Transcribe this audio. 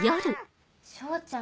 彰ちゃん